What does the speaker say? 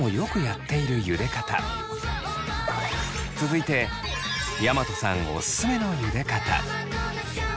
続いて大和さんおすすめのゆで方。